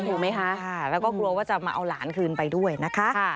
ถูกไหมคะแล้วก็กลัวว่าจะมาเอาหลานคืนไปด้วยนะคะ